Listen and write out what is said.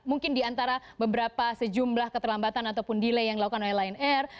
mungkin di antara beberapa sejumlah keterlambatan ataupun delay yang dilakukan oleh lion air